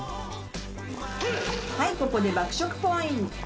はいここで爆食ポイント！